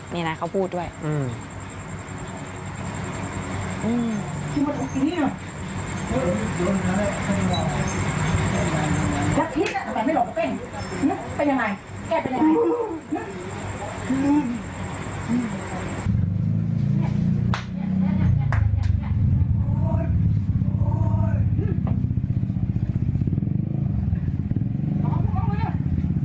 นี่นะเขาพูดด้วยอืม